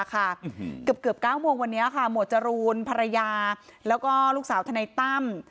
เกือบ๙โมงวันนี้ค่ะหมวดจรูนภรรยาแล้วก็ลูกสาวธนายตั้ม